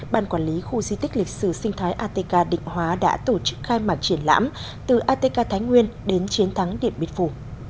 ban quản lý khu di tích lịch sử sinh thái atk định hóa đã tổ chức khai mạc triển lãm từ atk thái nguyên đến chiến thắng điện biên phủ